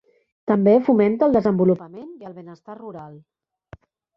També fomenta el desenvolupament i el benestar rural.